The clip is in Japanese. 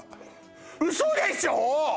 ウソでしょ！？